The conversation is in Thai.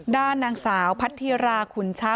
ด้านนางสาวพัฒน์ธีราขุนช้า